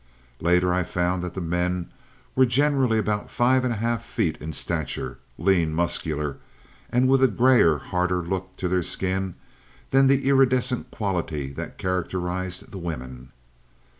"Later, I found that the men were generally about five and a half feet in stature: lean, muscular, and with a grayer, harder look to their skin than the iridescent quality that characterized the women.